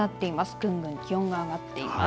どんどん気温が上がっています。